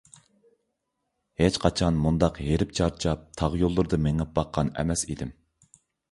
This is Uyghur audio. ھېچقاچان مۇنداق ھېرىپ - چارچاپ، تاغ يوللىرىدا مېڭىپ باققان ئەمەس ئىدىم!